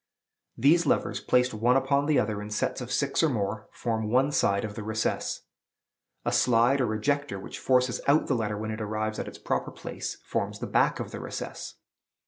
These levers, placed one upon the other in sets of six or more, form one side of the recess. A slide or ejector, which forces out the letter when it arrives at its proper place, forms the back of the recess.